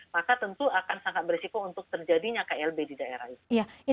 maka tentu akan sangat berisiko untuk terjadinya klb di daerah itu